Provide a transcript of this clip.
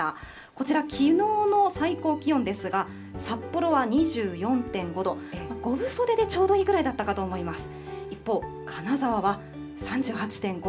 こちら、きのうの最高気温ですが、札幌は２４．５度、５分袖でちょうどいいぐらいだったかと思います。